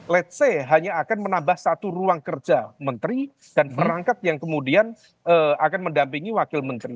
⁇ lets ⁇ say hanya akan menambah satu ruang kerja menteri dan perangkat yang kemudian akan mendampingi wakil menteri